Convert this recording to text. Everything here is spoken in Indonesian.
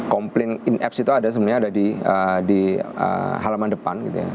komplain in apps itu ada sebenarnya ada di halaman depan gitu ya